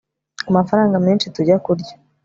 amafaranga menshi tujya kurya